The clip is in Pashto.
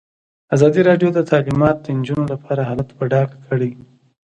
ازادي راډیو د تعلیمات د نجونو لپاره حالت په ډاګه کړی.